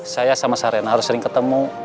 saya sama sarena harus sering ketemu